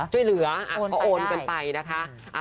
ช่วยเหลือโอนไปได้โอนกันไปนะคะ